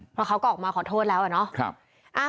พอเขาก็ออกมาขอโทษแล้วเนอะ